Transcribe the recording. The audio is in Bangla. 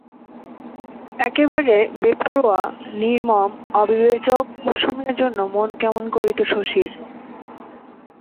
একেবারে বেপরোয়া, নির্মম, অবিবেচক কুসুমের জন্য মন কেমন করিত শশীর।